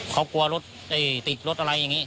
เขากลัวรถติดรถอะไรอย่างนี้